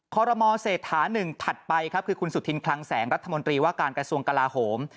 คอรมอเศรษฐาหนึ่งถัดไปครับคือคุณสุธินคลังแสงรัฐมนตรีว่าการกระทรวงกลาโหม